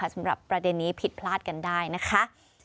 สำหรับประเด็นนี้ผิดพลาดกันได้นะคะ